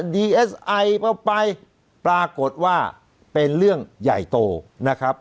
ดีเอสไอไปปรากฏว่าเป็นเรื่องใหญ่โตนะครับ